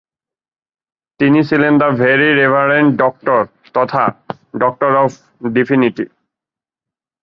তিনি ছিলেন- 'the very reverend doctor' তথা ডক্টর অফ ডিভিনিটি।